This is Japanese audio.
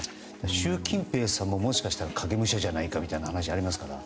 習近平さんも、もしかしたら影武者じゃないかという説がありますから。